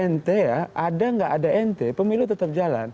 nt ya ada nggak ada nt pemilu tetap jalan